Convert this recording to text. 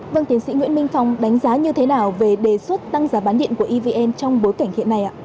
vâng tiến sĩ nguyễn minh phong đánh giá như thế nào về đề xuất tăng giá bán điện của evn trong bối cảnh hiện nay ạ